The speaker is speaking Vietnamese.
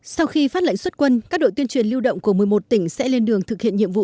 sau khi phát lệnh xuất quân các đội tuyên truyền lưu động của một mươi một tỉnh sẽ lên đường thực hiện nhiệm vụ